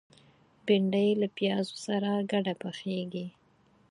بېنډۍ له پیازو سره ګډه پخېږي